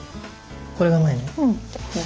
これが前ね？